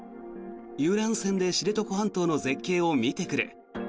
遊覧船で知床半島の絶景を見てくる。